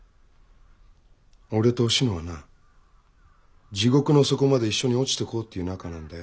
俺とおしのはな地獄の底まで一緒に落ちてこうっていう仲なんだよ。